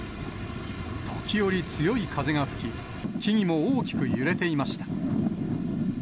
時折、強い風が吹き、木々も大きく揺れていました。